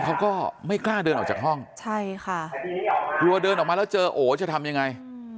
เขาก็ไม่กล้าเดินออกจากห้องใช่ค่ะกลัวเดินออกมาแล้วเจอโอ๋จะทำยังไง